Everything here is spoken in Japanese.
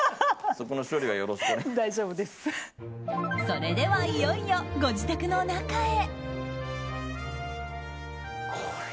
それではいよいよご自宅の中へ。